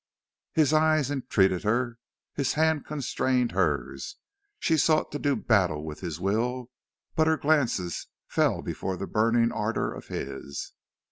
His eyes entreated her, his hand constrained her; she sought to do battle with his will, but her glances fell before the burning ardor of his.